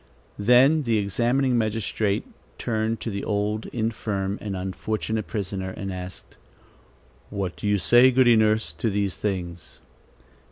Then the examining magistrate turned to the old, infirm and unfortunate prisoner, and asked: "What do you say, Goody Nurse, to these things?"